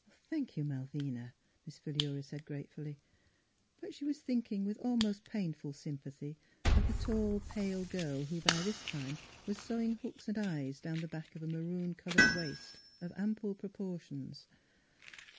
" Thank you, Malvina," Miss Philura said gratefully. But she was thinking with almost pain ful sympathy of the tall, pale girl who by this time was sewing hooks and eyes down the back of a maroon coloured waist of ample proportions.